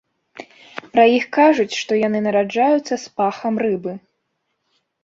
Пра іх кажуць, што яны нараджаюцца з пахам рыбы.